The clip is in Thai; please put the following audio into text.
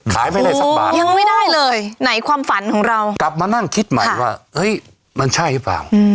ขายไม่ได้สักบาทยังไม่ได้เลยไหนความฝันของเรากลับมานั่งคิดใหม่ว่าเฮ้ยมันใช่หรือเปล่า